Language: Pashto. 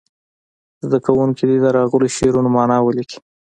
زده کوونکي دې د راغلو شعرونو معنا ولیکي.